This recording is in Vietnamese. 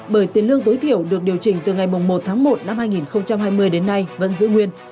bởi tiền lương tối thiểu được điều chỉnh từ ngày một tháng một năm hai nghìn hai mươi đến nay vẫn giữ nguyên